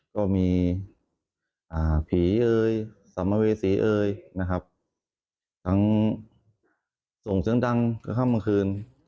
ก็มีผีเอ๋ยสมเวสีเอ๋ยทั้งส่งเสียงดังก็ค่ำบางคืน